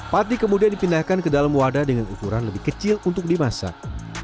pati kemudian dipindahkan ke dalam wadah dengan ukuran lebih kecil untuk dimasak